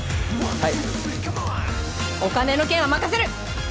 はい！